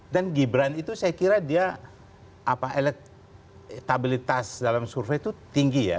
dan gibran itu saya kira dia elektabilitas dalam survei itu tinggi ya